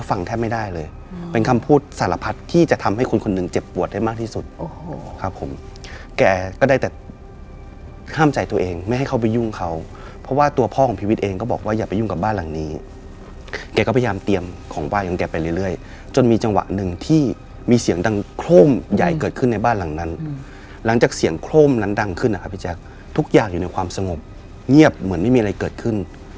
ห้ามใจตัวเองไม่ให้เขาไปยุ่งเขาเพราะว่าตัวพ่อของพิวิเองก็บอกว่าอย่าไปยุ่งกับบ้านหลังนี้แกก็พยายามเตรียมของว่ายของแกไปเรื่อยจนมีจังหวะหนึ่งที่มีเสียงดังโคร่มใหญ่เกิดขึ้นในบ้านหลังนั้นหลังจากเสียงโคร่มนั้นดังขึ้นอะครับพี่แจ๊คทุกอย่างอยู่ในความสงบเงียบเหมือนไม่มีอะไรเกิดขึ